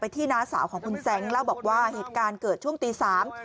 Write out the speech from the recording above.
ที่น้าสาวของคุณแซ้งเล่าบอกว่าเหตุการณ์เกิดช่วงตีสาม